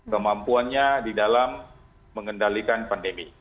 kemampuannya di dalam mengendalikan pandemi